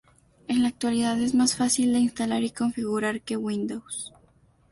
En la actualidad es más fácil de instalar y configurar que Windows.